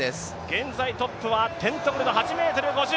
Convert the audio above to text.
現在トップはテントグルの８ｍ５０。